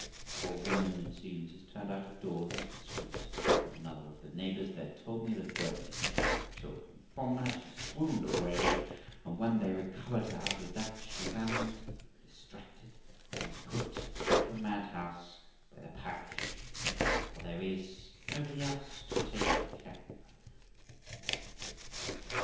The poor woman, it seems, is turned out of doors into the street ; and another of the neighbours there told me, that when they took her children from her she swooned away, and when they recovered her out of that, she ran distracted, and is put into a madhouse by the parish, for there is nobody else to take any care of her.'